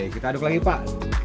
kita aduk lagi pak